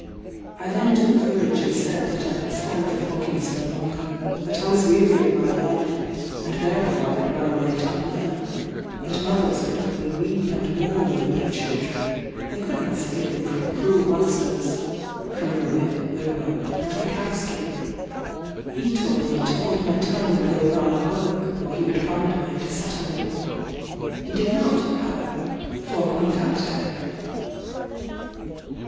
I then took courage and said that I could stand the floggings no longer; that I was weary of my life, and therefore I had run away to my mother; but mothers could only weep and mourn over their children, they could not save them from cruel masters from the whip, the rope, and the cow skin. He told me to hold my tongue and go about my work, or he would find a way to settle me. He did not, however, flog me that day.